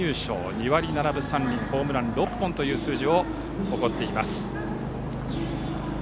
２割７分３厘ホームラン６本という数字です。